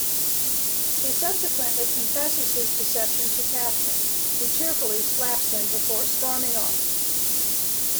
He subsequently confesses his deception to Katherine, who tearfully slaps him before storming off.